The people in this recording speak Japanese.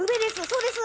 そうです！